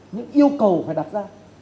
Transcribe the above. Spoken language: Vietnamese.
những yêu cầu phải đặt ra